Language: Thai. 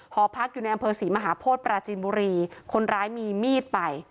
หอพักอยู่ในอำเภอศรีมหาโพธิปราจีนบุรีคนร้ายมีมีดไป